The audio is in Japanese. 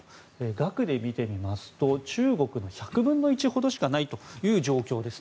額で見てみますと中国の１００分の１ほどしかない状況です。